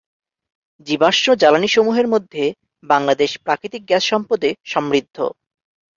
জীবাশ্ম জ্বালানিসমূহের মধ্যে বাংলাদেশ প্রাকৃতিক গ্যাস সম্পদে সমৃদ্ধ।